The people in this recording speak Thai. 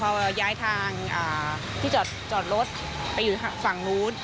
พอเราย้ายทางที่จอดรถไปอยู่ฝั่งนู้น